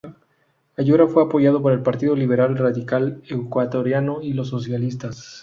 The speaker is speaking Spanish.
Ayora fue apoyado por el Partido Liberal Radical Ecuatoriano y los socialistas.